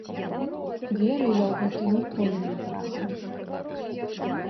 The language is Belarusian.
Веры я ў гэта ніколі не траціў.